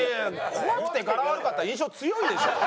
怖くてガラ悪かったら印象強いでしょ。